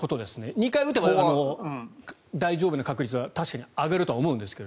２回打てば、大丈夫な確率は確かに上がるとは思うんですが。